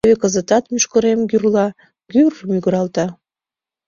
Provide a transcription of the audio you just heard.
— Теве кызытат мӱшкырем гӱрла гур мӱгыралта.